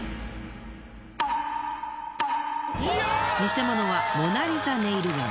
偽物はモナ・リザネイルガン。